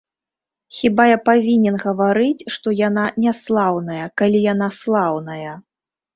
Хіба я павінен гаварыць, што яна няслаўная, калі яна слаўная.